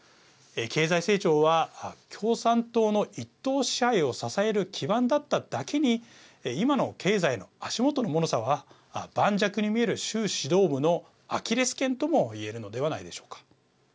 経済成長は共産党の１党支配を支える基盤だっただけに今の経済への足元のもろさは盤石に見える習指導部のアキレスけんとも言えるのではないでしょうか。